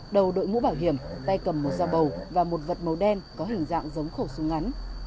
đầu đội mũ bảo hiểm tay cầm một dao bầu và một vật màu đen có hình dạng giống khẩu súng ngắn